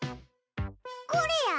これや。